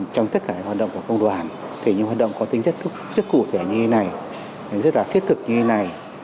trong tất cả các hoạt động của công đoàn thì những hoạt động có tính chất cụ thể như thế này rất là thiết thực như thế này